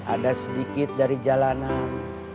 ada sedikit dari jalanan